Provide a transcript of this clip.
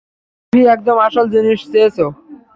Coffee, একদম আসল জিনিস চেয়েছ!